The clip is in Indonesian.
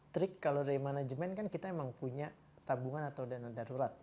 trik kalau dari manajemen kan kita memang punya tabungan atau dana darurat